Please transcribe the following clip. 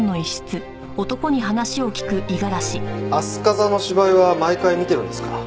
飛鳥座の芝居は毎回見てるんですか？